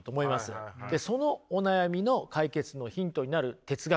そのお悩みの解決のヒントになる哲学者をね